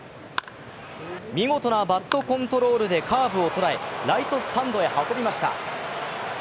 見事なバットコントロールでカーブを捉えライトスタンドに運びました。